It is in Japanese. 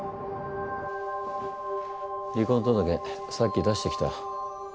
離婚届さっき出してきた。